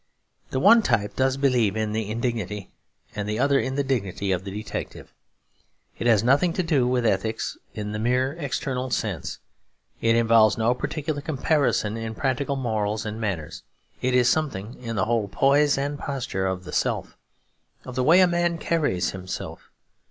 The one type does believe in the indignity and the other in the dignity of the detective. It has nothing to do with ethics in the merely external sense. It involves no particular comparison in practical morals and manners. It is something in the whole poise and posture of the self; of the way a man carries himself.